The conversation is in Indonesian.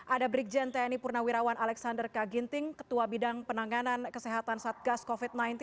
ada brigjen tni purnawirawan alexander kaginting ketua bidang penanganan kesehatan satgas covid sembilan belas